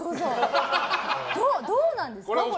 どうなんですか？